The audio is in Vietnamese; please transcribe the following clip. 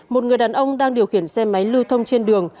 một người đàn ông đang điều khiển xe máy lưu thông trên đường